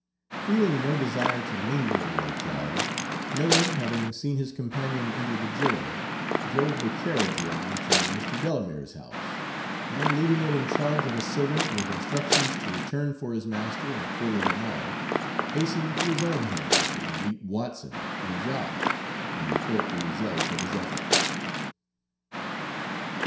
Feeling no desire to linger in the locality, Miller, having seen his companion enter the jail, drove the carriage round to Mr. Delamere's house, and leaving it in charge of a servant with instructions to return for his master in a quarter of an hour, hastened to his own home to meet Watson and Josh and report the result of his efforts.